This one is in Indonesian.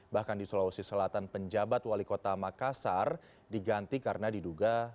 bahkan di sulawesi selatan penjabat wali kota makassar diganti karena diduga